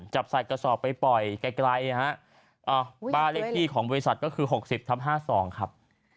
จับใส่กระสอบไปปล่อยไกลบ้านเลขที่ของบริษัทก็คือ๖๐ทับ๕๒ครับ